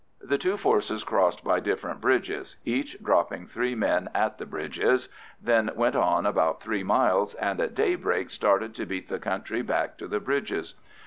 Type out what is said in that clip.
The two forces crossed by different bridges, each dropping three men at the bridges, then went on about three miles, and at daybreak started to beat the country back to the bridges.